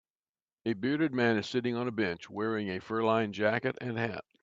A bearded man is sitting on a bench wearing a fur lined jacket and hat.